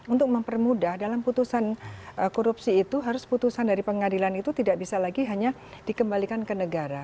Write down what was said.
untuk mempermudah dalam putusan korupsi itu harus putusan dari pengadilan itu tidak bisa lagi hanya dikembalikan ke negara